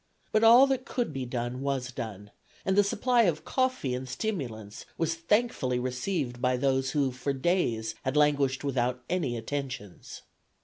But all that could be done was done, and the supply of coffee and stimulants was thankfully received by those who for days had languished without any attentions.